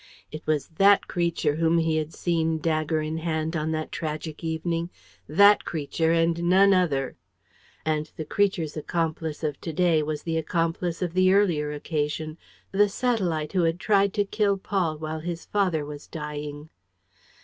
It was that creature whom he had seen, dagger in hand, on that tragic evening, that creature and none other! And the creature's accomplice of to day was the accomplice of the earlier occasion, the satellite who had tried to kill Paul while his father was dying.